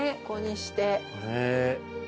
ここにして。